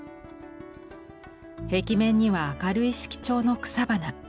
壁面には明るい色調の草花。